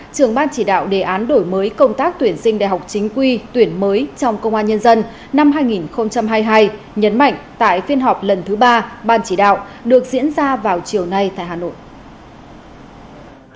trưởng ban chỉ đạo đề án đổi mới công tác tuyển sinh đại học chính quy tuyển mới trong công an nhân dân năm hai nghìn hai mươi hai nhấn mạnh tại phiên họp lần thứ ba ban chỉ đạo được diễn ra vào chiều nay tại hà nội